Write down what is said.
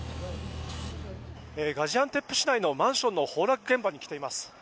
ガジアンテップ市内のマンションの崩落現場に来ています。